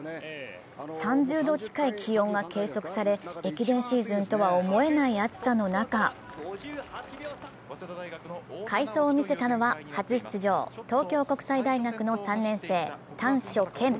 ３０度近い気温が計測され、駅伝シーズンとは思えない暑さの中快走を見せたのは初出場、東京国際大学の３年生、丹所健。